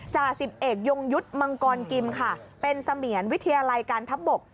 จ่าสิบเอกยงยุทธ์มังกรกิมค่ะเป็นเสมียรวิทยาลัยการทัพบก